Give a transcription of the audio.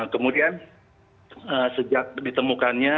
kemudian sejak ditemukannya